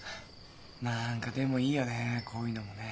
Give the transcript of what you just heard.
なんかでもいいよねこういうのもね。